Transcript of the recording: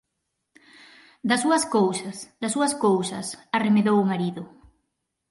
_Das súas cousas, das súas cousas _arremedou o marido_.